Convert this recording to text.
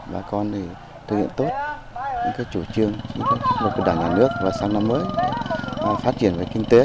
bà con thì thực hiện tốt những cái chủ trương những cái mục đảm nhà nước vào sáng năm mới phát triển về kinh tế